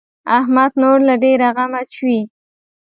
احمد نور له ډېره غمه چويي.